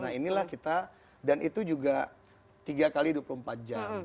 nah inilah kita dan itu juga tiga x dua puluh empat jam